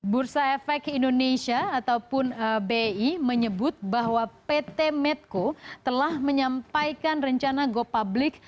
bursa efek indonesia ataupun bi menyebut bahwa pt medco telah menyampaikan rencana go public